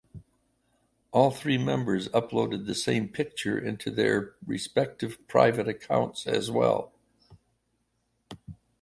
All three members uploaded the same picture onto their respective private accounts as well.